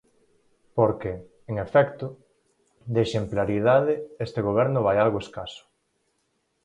Porque, en efecto, de exemplaridade este Goberno vai algo escaso.